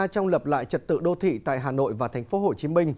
trong lập lại trật tự đô thị tại hà nội và tp hcm